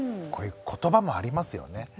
こういうことばもありますよね。